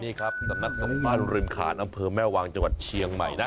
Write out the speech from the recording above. นี่ครับสำนักสงฆ์บ้านริมขานอำเภอแม่วางจังหวัดเชียงใหม่นะ